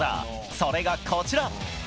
それが、こちら。